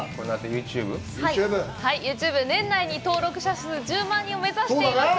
ユーチューブ年内に登録者数１０万人を目指しています。